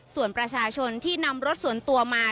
ส่วนประชาชนที่นำรถส่วนตัวมา